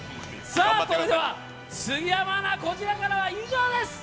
それでは、杉山アナこちらからは以上です！